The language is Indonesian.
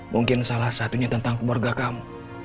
mungkin salah satunya tentang keluarga kamu